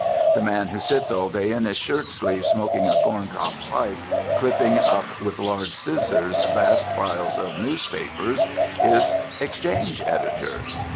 The man who sits all day in his shirt sleeves smoking a corncob pipe, clipping up with large scissors vast piles of newspapers, is exchange editor.